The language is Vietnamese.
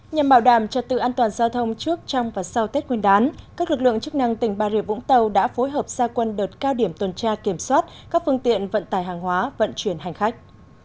nhằm bảo đảm trật tự an toàn giao thông trước trong và sau tết nguyên đán các lực lượng chức năng tỉnh bà rịa vũng tàu đã phối hợp gia quân đợt cao điểm tuần tra kiểm soát các phương tiện vận tải hàng hóa vận chuyển hành khách